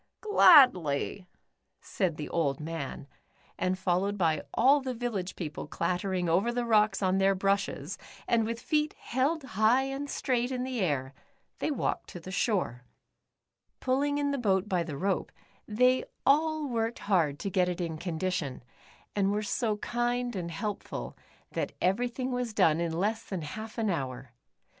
"Gladly," said the old man, and followed by all the village people clattering over the rocks on their brushes, and with feet held high and straight in air, they walked to the shore. Pulling in the boat by the rope, they all worked 158 The Upsidedownians. hard to get it in condition, and were so kind and helpful, that everything was done in less than half an hour.